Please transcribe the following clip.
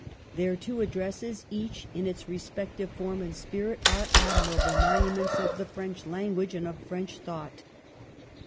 Their two addresses, each in its respective form and spirit, are admirable monu ments of the French language and of French thought.